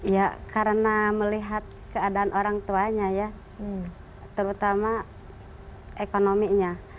ya karena melihat keadaan orang tuanya ya terutama ekonominya